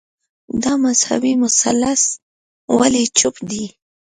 دا مذهبي مثلث ولي چوپ دی